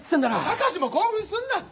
タカシも興奮すんなって。